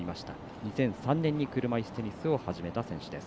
２００３年に車いすテニスを始めた選手です。